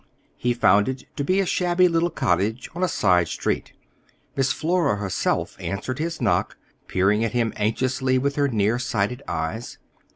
He found it to be a shabby little cottage on a side street. Miss Flora herself answered his knock, peering at him anxiously with her near sighted eyes.